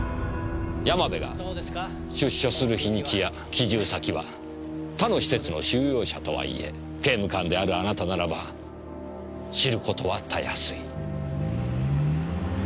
山部が出所する日にちや帰住先は他の施設の収容者とはいえ刑務官であるあなたならば知ることはたやすい。